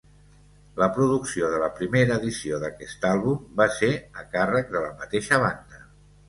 La producció de la primera edició d'aquest àlbum va ser a càrrec de la mateixa banda.